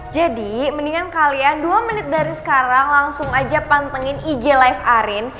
jadi mendingan kalian dua menit dari sekarang langsung aja pantengin ig live arin